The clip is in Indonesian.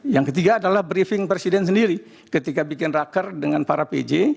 yang ketiga adalah briefing presiden sendiri ketika bikin raker dengan para pj